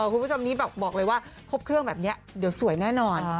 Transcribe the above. คุณผู้ชมนี้บอกเลยว่าครบเครื่องแบบนี้เดี๋ยวสวยแน่นอน